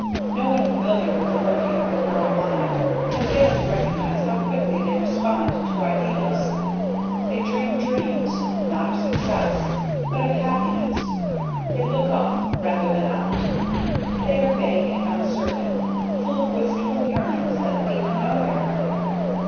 No one familiar with the working of the girl mind can fail to recognize how quickly they respond to ideals. They dream dreams, not of success, but of happiness. They look up rather than out. But they are vague and uncertain, full of wistful yearnings that lead nowhere.